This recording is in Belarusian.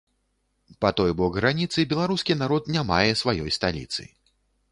Па той бок граніцы беларускі народ не мае сваёй сталіцы.